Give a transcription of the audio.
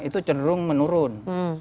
nah itu cenderung menurun